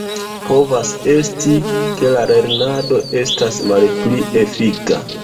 Povas esti, ke la lernado estas malpli efika.